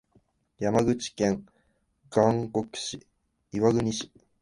山口県岩国市